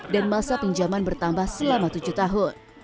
dan masa pinjaman bertambah selama tujuh tahun